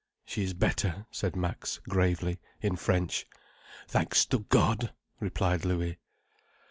"She is better," said Max gravely, in French. "Thanks to God," replied Louis.